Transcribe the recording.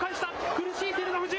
苦しい照ノ富士。